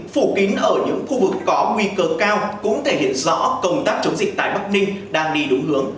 phủ kín ở những khu vực có nguy cơ cao cũng thể hiện rõ công tác chống dịch tại bắc ninh đang đi đúng hướng